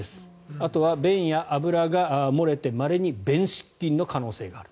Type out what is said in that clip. あとは便や油が漏れてまれに便失禁の可能性がある。